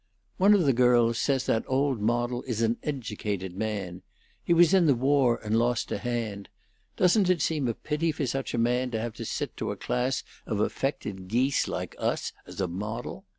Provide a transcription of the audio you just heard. "One of the girls says that old model is an educated man. He was in the war, and lost a hand. Doesn't it seem a pity for such a man to have to sit to a class of affected geese like us as a model?